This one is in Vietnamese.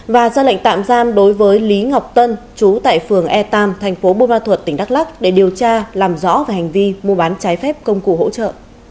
và ra lệnh tạm giam đối với lý ngọc tân chú tại phường e tam thành phố bô ma thuật tỉnh đắk lắc để điều tra làm rõ về hành vi mua bán trái phép công cụ hỗ trợ